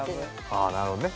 ああなるほどね。